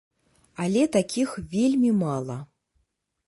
Але такіх вельмі мала.